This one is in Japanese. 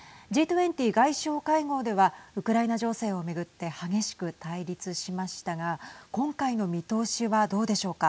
Ｇ２０外相会合ではウクライナ情勢を巡って激しく対立しましたが今回の見通しはどうでしょうか。